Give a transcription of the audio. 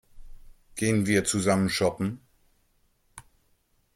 Gehen wir zusammen shoppen?